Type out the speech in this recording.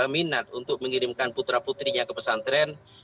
minat untuk mengirimkan putra putrinya ke pesantren